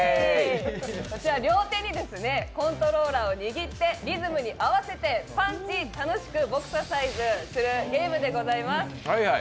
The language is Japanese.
こちら両手にコントローラーを握って、リズムに合わせてパンチ楽しくボクササイズするゲームでございます。